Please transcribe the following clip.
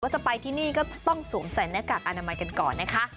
จะไปที่นี่ก็ต้องสวมใส่หน้ากากอนามัยกันก่อนนะคะ